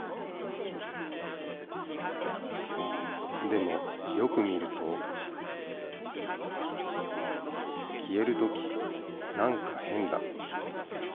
でもよく見ると消えるときなんか変だ。